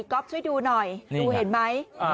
ก็ช่วยดูหน่อยดูเห็นไหม